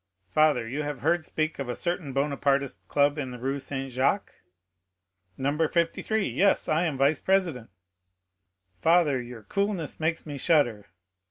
"Father, you have heard speak of a certain Bonapartist club in the Rue Saint Jacques?" "No. 53; yes, I am vice president." "Father, your coolness makes me shudder."